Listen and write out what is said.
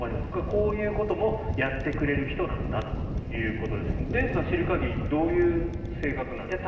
こういうこともやってくれる人なんだということですがデーブさん、知る限りどういう性格なんですか？